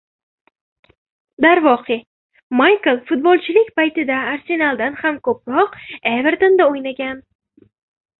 Darvoqe, Maykl futbolchilik paytida Arsenaldan ham ko‘proq Evertonda o‘ynagan.